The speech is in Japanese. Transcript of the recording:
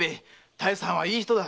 多江さんはいい人だ。